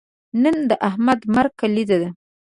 نن د احمد د مرګ کلیزه ده.